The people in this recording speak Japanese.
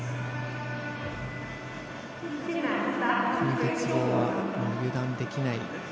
鉄棒は油断できない。